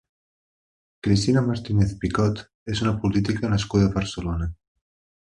Cristina Martínez Picot és una política nascuda a Barcelona.